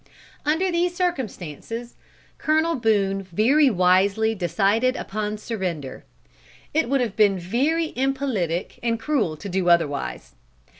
Under these circumstances, Colonel Boone very wisely decided upon surrender. It would have been very impolitic and cruel to do otherwise.